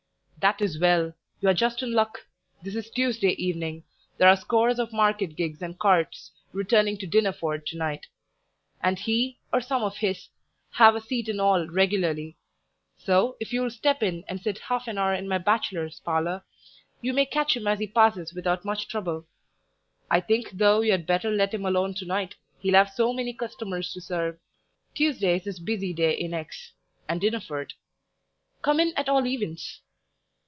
"That is well you're just in luck: this is Tuesday evening; there are scores of market gigs and carts returning to Dinneford to night; and he, or some of his, have a seat in all regularly; so, if you'll step in and sit half an hour in my bachelor's parlour, you may catch him as he passes without much trouble. I think though you'd better let him alone to night, he'll have so many customers to serve; Tuesday is his busy day in X and Dinneford; come in at all events."